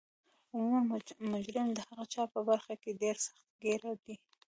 عموما مجرم د هغه چا په برخه کې ډیر سخت ګیره دی